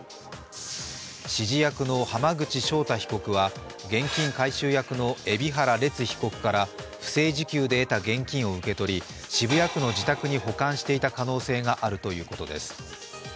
指示役の浜口正太被告は現金回収役の海老原列被告から不正受給で得た現金を受け取り渋谷区の自宅に保管していた可能性があるということです。